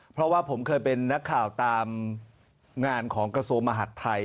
เพราะว่าผมเคยเป็นนักข่าวตามงานของกระทรวงมหัฐไทย